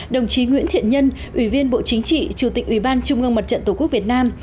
đồng chí nguyễn thiện nhân ủy viên bộ chính trị chủ tịch ủy ban trung ương mặt trận tổ quốc việt nam